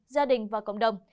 gia đình và cộng đồng